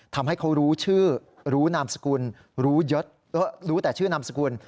ทำให้เขารู้ชื่อรู้นามสกุลรู้เยอะรู้แต่ชื่อนามสกุล